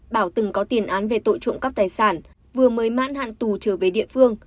bảo từng có tiền án về tội trộm cắp tài sản vừa mới mãn hạn tù trở về địa phương